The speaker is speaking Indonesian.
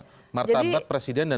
martabat presiden dan wakil presiden